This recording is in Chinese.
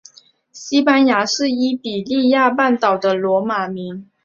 西班牙是伊比利亚半岛的罗马名。